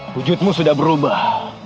hujudmu sudah berubah